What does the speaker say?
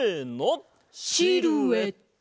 シルエット！